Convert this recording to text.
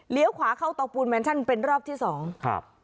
ขวาเข้าเตาปูนแมนชั่นเป็นรอบที่สองครับ